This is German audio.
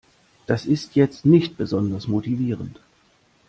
Das ist jetzt nicht besonders motivierend.